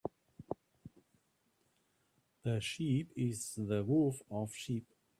The sheep is the wolf of sheep.